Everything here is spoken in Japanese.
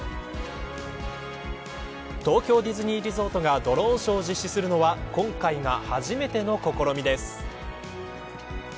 東京ディズニーリゾートがドローンショーを実施するのは今回が初めての試みです。